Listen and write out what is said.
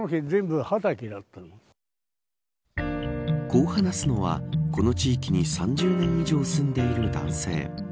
こう話すのは、この地域に３０年以上住んでいる男性。